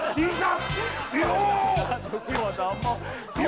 いざ！